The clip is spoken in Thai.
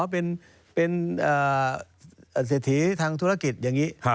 เป็นเศรษฐีทางธุรกิจอย่างนี้